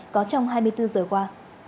có trong hai mươi bốn h qua